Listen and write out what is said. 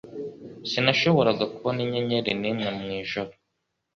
Sinashoboraga kubona inyenyeri nimwe mwijuru